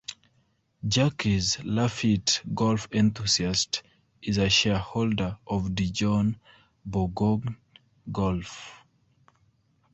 Jacques Laffite, golf enthusiast, is a shareholder of Dijon-Bourgogne Golf.